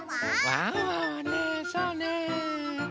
ワンワンはねそうねえ